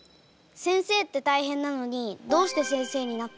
先生って大変なのにどうして先生になったんですか？